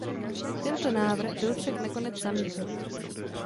Tento návrh byl však nakonec zamítnut.